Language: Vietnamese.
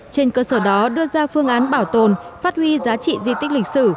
trên cơ sở đó đưa ra phương án bảo tồn phát huy giá trị di tích lịch sử